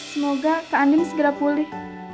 semoga kak andim segera pulih